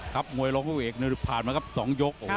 ครับมันก็ผ่านมากับ๒ยก